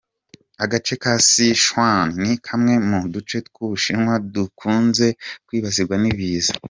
Agace ka Sichuan ni kamwe mu duce tw’ u Bushinwa dukunze kwibasirwa n’ ibiza.